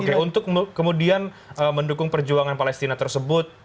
oke untuk kemudian mendukung perjuangan palestina tersebut